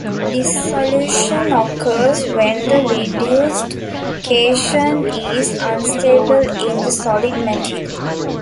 Dissolution occurs when the reduced cation is unstable in the solid material.